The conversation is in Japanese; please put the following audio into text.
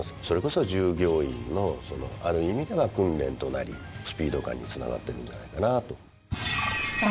それこそ従業員のある意味では訓練となりスピード感につながってるんじゃないかなと。